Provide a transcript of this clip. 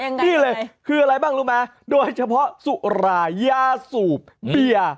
นี่เลยคืออะไรบ้างรู้ไหมโดยเฉพาะสุรายาสูบเบียร์